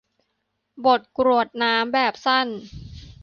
บทกรวดน้ำแบบสั้น